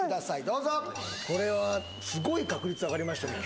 どうぞこれはすごい確率上がりましたね